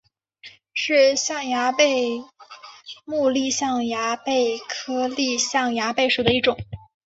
是象牙贝目丽象牙贝科丽象牙贝属的一种。